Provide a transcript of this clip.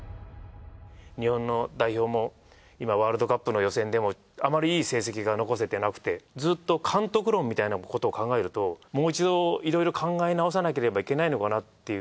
日本の代表も今ワールドカップの予選でもあまりいい成績が残せてなくてずっと監督論みたいなことを考えるともう一度いろいろ考え直さなければいけないのかなっていう。